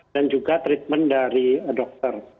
dan juga treatment dari dokter